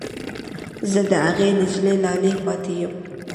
زه د هغې نجلۍ لالی پاتې یم